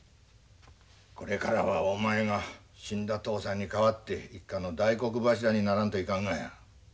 これからはお前が死んだ父さんに代わって一家の大黒柱にならんといかんがや。